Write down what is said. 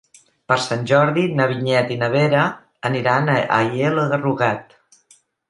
Per Sant Jordi na Vinyet i na Vera aniran a Aielo de Rugat.